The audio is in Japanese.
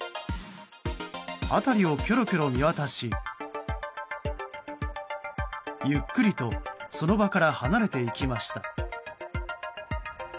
辺りをきょろきょろ見渡しゆっくりとその場から離れていきました。